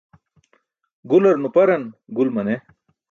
Gular nuparan gul mane.